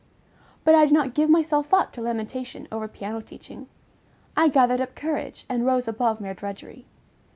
But I did not give myself up to lamentation over piano teaching. I gathered up courage and rose above mere drudgery.